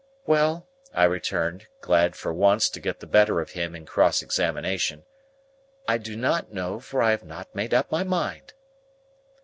"Well," I returned, glad for once to get the better of him in cross examination, "I do not know, for I have not made up my mind."